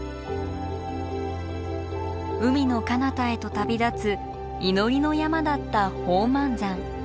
海のかなたへと旅立つ祈りの山だった宝満山。